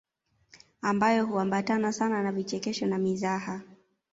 Ambayo huambatana sana na vichekesho na mizaha